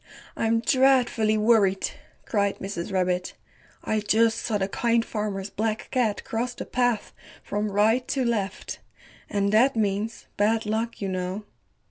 I'm dreadfully worried," cried Mrs. Rabbit, "I just saw the Kind Farmer's Black Cat cross the path from right to left, and that means bad luck, you know."